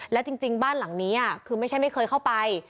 และจริงบ้านหลังนี้คือไม่ใช่ไม่เคยเข้าไป